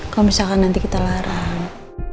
kalau misalkan nanti kita larang